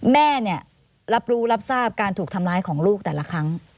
แม่เนี่ยรับรู้รับทราบการถูกทำร้ายของลูกแต่ละครั้ง